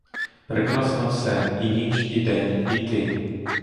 Прекрасно все : і ніч , і день , і ти.